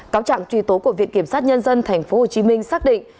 cáo trạng truy tố của viện kiểm sát nhân dân tp hcm xác định